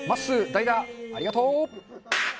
代打ありがとう